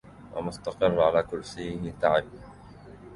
ومستقر على كرسيه تعب